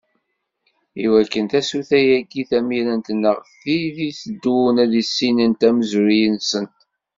I wakken, tasuta-agi tamirant neɣ tid i d-iteddun ad issinent amezruy-nsent.